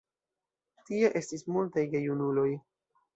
Tie estis multaj gejunuloj.